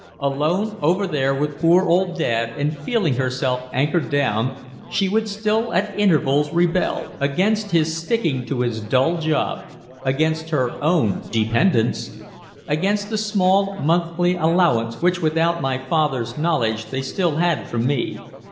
Alone over there with poor old Dad and feeling herself anchored down, she would still at intervals rebel against his sticking to his dull job, against her own dependence, against the small monthly allowance which without my father's knowledge they still had from me.